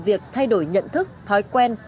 việc thay đổi nhận thức thói quen